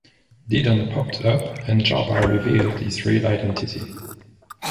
Didon popped up, and Jarba revealed his real identity.